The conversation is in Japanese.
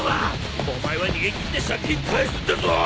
お前は逃げ切って借金返すんだぞ！